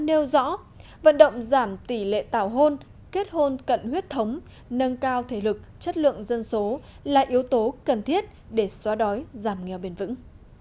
nêu rõ vận động giảm tỷ lệ tảo hôn kết hôn cận huyết thống nâng cao thể lực chất lượng dân số là yếu tố cần thiết để xóa đói giảm nghèo bền vững